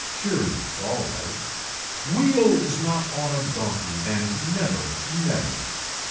Curious alright. Wheel is not on a donkey and never never.